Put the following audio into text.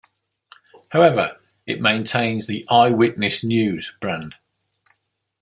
However, it maintains the "Eyewitness News" brand.